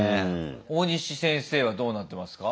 大西先生はどうなってますか？